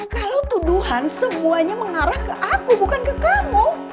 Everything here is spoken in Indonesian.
kalau tuduhan semuanya mengarah ke aku bukan ke kamu